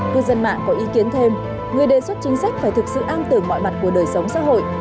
cư dân mạng có ý kiến thêm người đề xuất chính sách phải thực sự an tưởng mọi mặt của đời sống xã hội